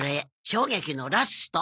「衝撃のラスト」